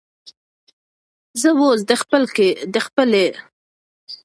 زه اوس د خپلې راتلونکې لوبې پلان جوړوم.